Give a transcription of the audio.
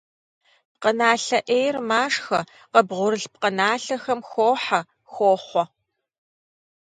Пкъыналъэ «Ӏейр» машхэ, къыбгъурылъ пкъыналъэхэм хохьэ, хохъуэ.